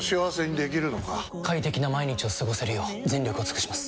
快適な毎日を過ごせるよう全力を尽くします！